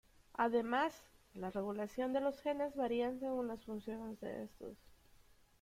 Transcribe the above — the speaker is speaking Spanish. Además, la regulación de los genes varía según las funciones de estos.